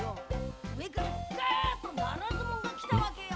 上からがあっとならずもんが来たわけよ。